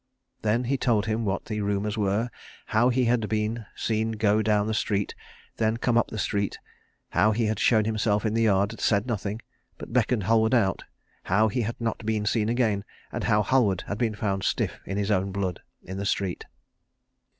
Then he told him what the rumours were, how he had been seen go down the street, then come up the street, how he had shown himself in the yard, said nothing, but beckoned Halward out; how he had not been seen again, and how Halward had been found stiff in his own blood in the street.